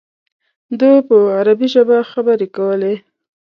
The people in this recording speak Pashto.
ده په عربي ژبه خبرې کولې.